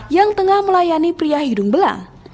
yang tengah melayani pria hidung belang